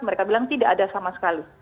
mereka bilang tidak ada sama sekali